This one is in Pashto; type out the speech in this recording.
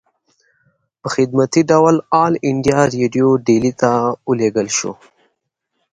پۀ خدمتي ډول آل انډيا ريډيو ډيلي ته اوليږلی شو